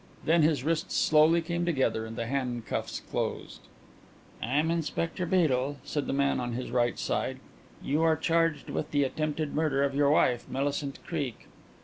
Then his wrists slowly came together and the handcuffs closed. "I am Inspector Beedel," said the man on his right side. "You are charged with the attempted murder of your wife, Millicent Creake."